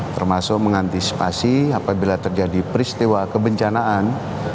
termasuk mengantisipasi apabila terjadi peristiwa kebencanaan